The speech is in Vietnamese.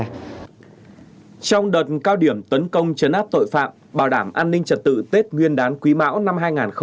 trong đợt cao điểm tấn công chấn áp tội phạm bảo đảm an ninh trật tự tết nguyên đán quý mão năm hai nghìn hai mươi bốn